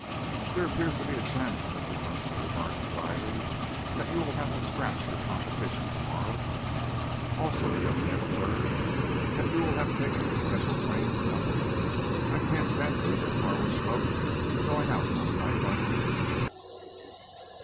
"There appears to be a chance," Mr. Dunster remarked drily, "that you will have to scratch for your competition to morrow." "Also," the young man observed, "that you will have taken this special train for nothing. I can't fancy the Harwich boat going out a night like this."